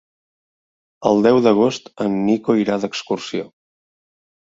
El deu d'agost en Nico irà d'excursió.